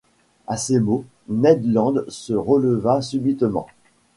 À ces mots, Ned Land se releva subitement.